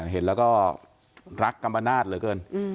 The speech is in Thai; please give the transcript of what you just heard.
เห็นแล้วก็รักกัมปนาศเหลือเกิน